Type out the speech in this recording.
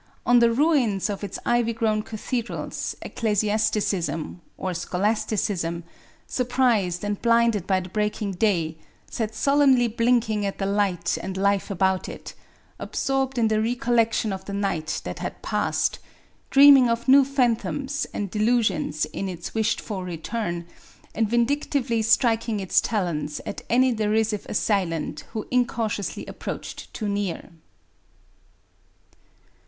On the ruins of its ivy grown cathedrals Ecclesiasticism [or Scholasticism], surprised and blinded by the breaking day, sat solemnly blinking at the light and life about it, absorbed in the recollection of the night that had passed, dreaming of new phantoms and delusions in its wished for return, and vindictively striking its talons at any derisive assailant who incautiously approached too near."